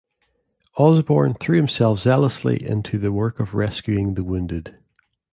Osborne threw himself zealously into the work of rescuing the wounded.